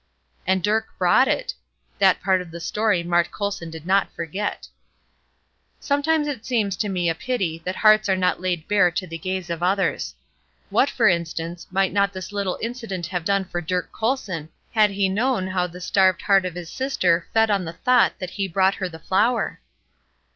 "And Dirk brought it." That part of the story Mart Colson did not forget. Sometimes it seems to me a pity that hearts are not laid bare to the gaze of others. What, for instance, might not this little incident have done for Dirk Colson had he known how the starved heart of his sister fed on the thought that he brought her the flower?